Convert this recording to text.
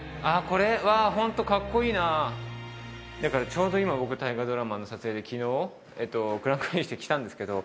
これわホントかっこいいなちょうど今僕大河ドラマの撮影で昨日クランクインしてきたんですけど